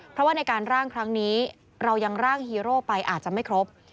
เพราะว่าในการร่างครั้งนี้เรายังร่างฮีโร่ไปอาจจะไม่ครบ